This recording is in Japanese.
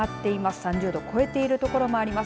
３０度を超えている所もあります。